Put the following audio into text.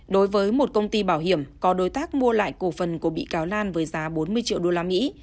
đối với một công ty bảo hiểm có đối tác mua lại cổ phần của bị cáo lan với giá bốn mươi triệu usd